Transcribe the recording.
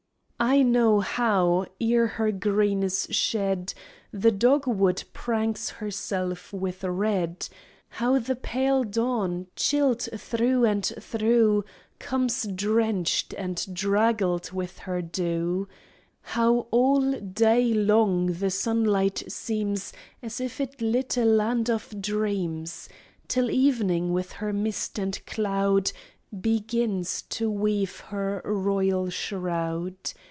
I know how, ere her green is shed, The dogwood pranks herself with red; How the pale dawn, chilled through and through, Comes drenched and draggled with her dew; How all day long the sunlight seems As if it lit a land of dreams, Till evening, with her mist and cloud, Begins to weave her royal shroud.